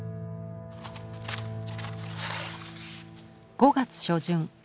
５月初旬。